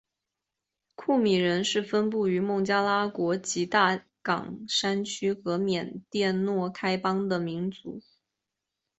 库米人是分布于孟加拉国吉大港山区和缅甸若开邦的民族。